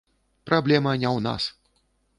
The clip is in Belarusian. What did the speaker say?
Праблема не ў нас.